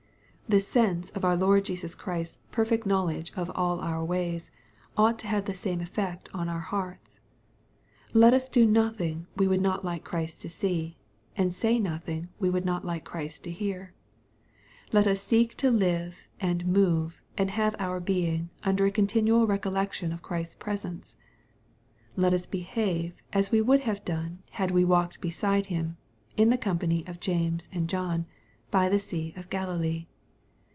The sense of our Lord Jesus Christ's perfect knowledge of all our ways, ought to have the same effect upon our hearts. Let us do nothing we would not like Christ to see, and say nothing we would not like Christ to hear. Let us seek to live and move and have our being under a continual recollection of Christ's presence. Let us behave as we would have done had we walked beside Him, in the company of James and John, by the sea of Galilee.